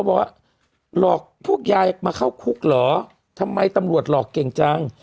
บอกว่าหลอกพวกยายมาเข้าคุกเหรอทำไมตำรวจหลอกเก่งจัง